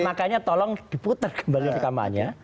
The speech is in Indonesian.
makanya tolong diputar kembali rekamannya